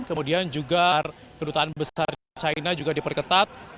kemudian juga kedutaan besar china juga diperketat